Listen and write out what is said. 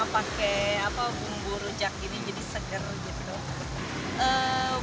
pakai bumbu rujak jadi segar gitu